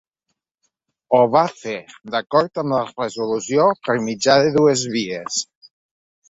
Ho va fer, d’acord amb la resolució, per mitjà de dues vies.